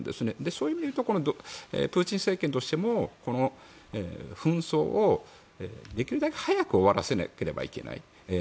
そういう意味で言うとプーチン政権としてもこの紛争をできるだけ早く終わらせなければいけない。